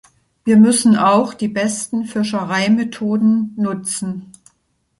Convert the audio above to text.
Wir müssen auch die besten Fischereimethoden nutzen.